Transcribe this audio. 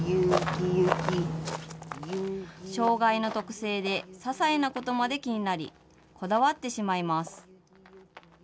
障害の特性で、ささいなことまで気になり、こだわってしまいます。